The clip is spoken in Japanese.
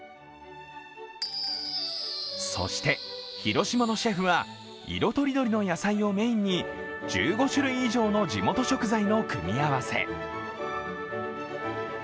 そして広島のシェフは、色とりどりの野菜をメーンに１５種類以上の地元食材の組み合わせ。